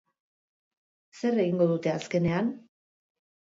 Zer egingo dute azkenean?